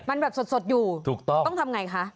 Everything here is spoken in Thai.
มันแบบสดอยู่ต้องทำไงคะ